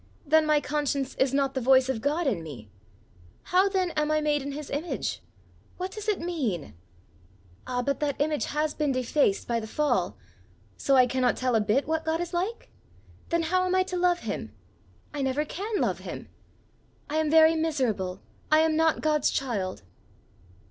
Then my conscience is not the voice of God in me! How then am I made in his image? What does it mean? Ah, but that image has been defaced by the fall! So I cannot tell a bit what God is like? Then how am I to love him? I never can love him! I am very miserable! I am not God's child!"